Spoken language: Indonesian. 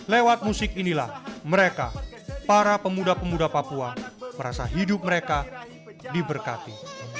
lewat musik inilah mereka para pemuda pemuda papua merasa hidup mereka diberkati